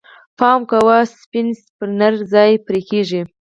پام کوئ! سپڼسی پر نري ځای پرې کېږي.